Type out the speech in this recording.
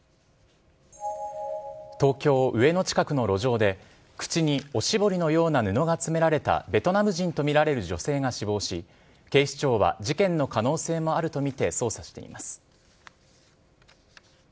東京・上野近くの路上で、口におしぼりのような布が詰められたベトナム人と見られる女性が死亡し、警視庁は事件の可能性もあると見て捜査しています。